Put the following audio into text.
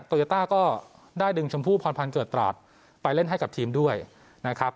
โยต้าก็ได้ดึงชมพู่พรพันธ์เกิดตราดไปเล่นให้กับทีมด้วยนะครับ